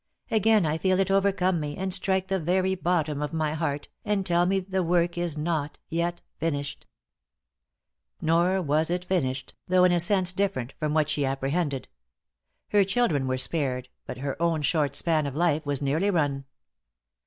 Again I feel it overcome me, and strike the very bottom of my heart, and tell me the work is not yet finished." Nor was it finished, though in a sense different from what she apprehended. Her children were spared, but her own short span of life was nearly run.